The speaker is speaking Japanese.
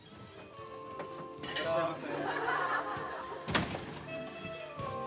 いらっしゃいませ。